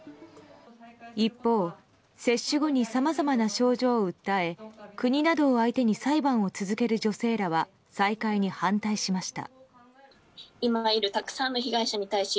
一方、接種後にさまざまな症状を訴え国などを相手に裁判を続ける女性らは再開に反対しました。